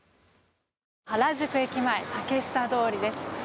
原宿駅前竹下通りです。